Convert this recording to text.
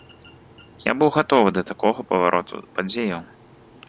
Я быў гатовы да такога павароту падзеяў.